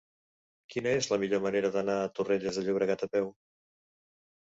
Quina és la millor manera d'anar a Torrelles de Llobregat a peu?